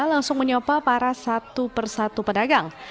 langsung menyopa para satu persatu pedagang